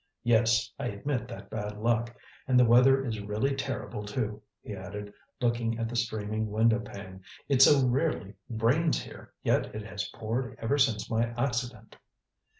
Yes, I admit that bad luck. And the weather is really terrible too," he added, looking at the streaming window pane. "It so rarely rains here, yet it has poured ever since my accident."